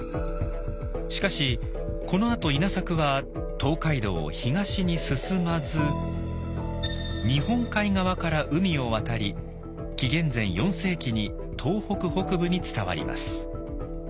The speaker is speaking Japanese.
しかしこのあと稲作は東海道を東に進まず日本海側から海を渡り紀元前４世紀に東北北部に伝わります。